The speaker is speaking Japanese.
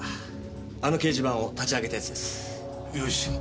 あの掲示板を立ち上げた奴です。